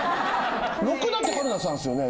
６だって春菜さんですよね？